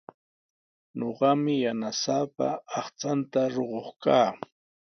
Ñuqami yanasaapa aqchanta rukuq kaa.